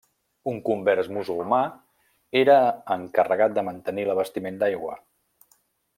Un convers musulmà era encarregat de mantenir l'abastiment d'aigua.